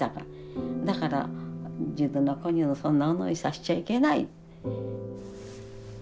だから自分の子にもそんな思いさしちゃいけない。